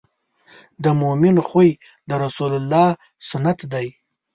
د مؤمن خوی د رسول الله سنت دی.